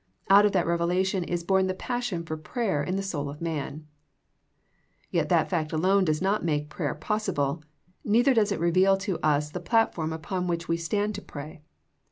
Out of that revelation is born the passion for prayer in the soul of man. Yet that fact alone does not make prayer pos sible, neither does it reveal to us the })latform upon which we stand to pray.